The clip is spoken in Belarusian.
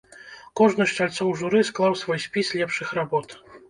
Кожны з чальцоў журы склаў свой спіс лепшых работ.